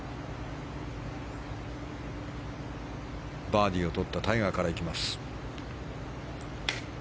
バーディーをとったタイガーから行きます。